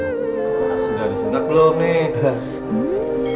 sudah disundak belum nih